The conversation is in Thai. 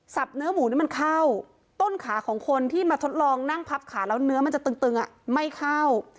เนื้อหมูนี่มันเข้าต้นขาของคนที่มาทดลองนั่งพับขาแล้วเนื้อมันจะตึงไม่เข้า